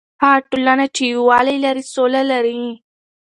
هغه ټولنه چې یووالی لري، سوله لري.